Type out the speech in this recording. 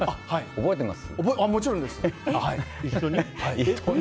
覚えてます。